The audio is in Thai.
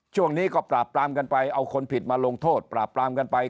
ช่วงนี้ก็ปราบปรามกันไปเอาคนผิดมาลงโทษปราบปรามกันไป